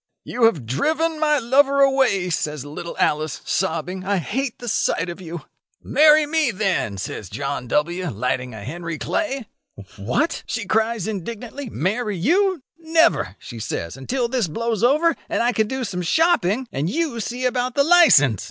'You have driven my lover away,' says little Alice, sobbing: 'I hate the sight of you.' 'Marry me, then,' says John W., lighting a Henry Clay. 'What!' she cries indignantly, 'marry you! Never,' she says, 'until this blows over, and I can do some shopping, and you see about the licence.